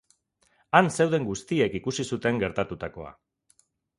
han zeuden guztiek ikusi zuten gertatutakoa